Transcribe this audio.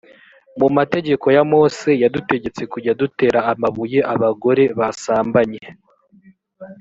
mu mategeko ya mose yadutegetse kujya dutera amabuye abagore basambanye